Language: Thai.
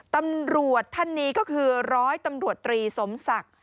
ตำรวจท่านนี้ก็คือร้อยตำรวจตรีสมศักดิ์